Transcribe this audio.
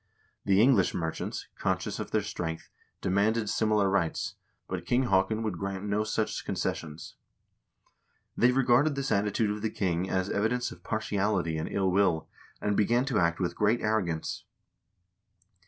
The English merchants, conscious of their strength, demanded similar rights, but King Haakon would grant no such concessions. They regarded this attitude of the king as evidence of partiality and ill will, and began to act with great arrogance.